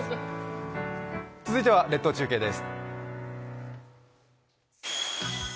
続いては列島中継です。